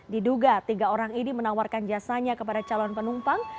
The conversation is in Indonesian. diduga tiga orang ini menawarkan jasanya kepada calon penumpang